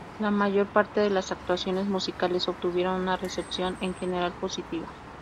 La mayor parte de las actuaciones musicales obtuvieron una recepción en general positiva.